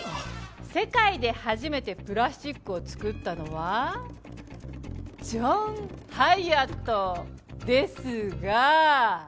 世界で初めてプラスチックを作ったのはジョン・ハイアットですが。